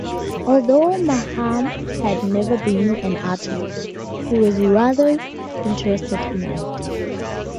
Although Maugham had never been an artist, he was rather interested in it.